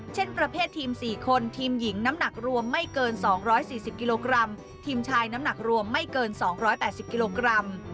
เช่นประเภททีม๔คนทีมหญิงน้ำหนักรวมไม่เกิน๒๔๐กิโลกรัมทีมชายน้ำหนักรวมไม่เกิน๒๘๐กิโลกรัม